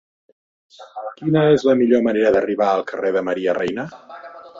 Quina és la millor manera d'arribar al carrer de Maria Reina?